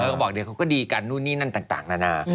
แล้วก็บอกเดี๋ยวเขาก็ดีกันนู่นนี่นั่นต่างนานา